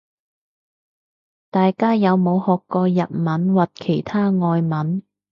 大家有冇學過日文或其他外文